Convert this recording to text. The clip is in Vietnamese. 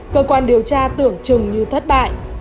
cơ quan điều tra tưởng chừng như thất bại